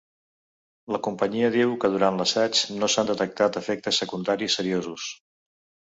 La companyia diu que durant l’assaig no s’han detectat efectes secundaris seriosos.